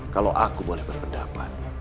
kalau aku boleh berpendapat